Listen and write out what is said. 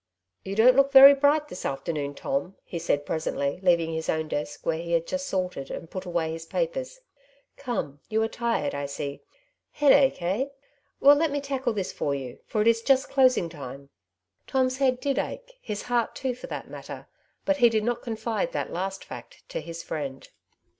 '' You don^t look very bright this afternoon, Tom," he said presently, leaving his own desk, where he had just sorted and put away his papers. '' Come, you are tired, I see ; headache, eh ? Well, let me tackle this for you, for it is just closing time.^' Tom's head did ache, his heart too for that matter, but he did not confide that last fact to his friend.